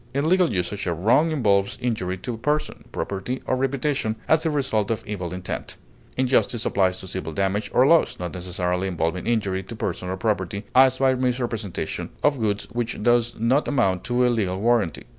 In legal usage a wrong involves injury to person, property, or reputation, as the result of evil intent; injustice applies to civil damage or loss, not necessarily involving injury to person or property, as by misrepresentation of goods which does not amount to a legal warranty.